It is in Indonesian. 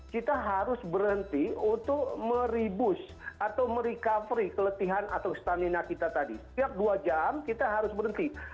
kita harus berhenti untuk meribus atau merecovery keletihan atau stamina kita tadi setiap dua jam kita harus berhenti